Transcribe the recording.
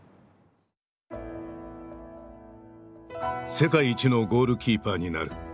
世界一のゴールキーパーになる。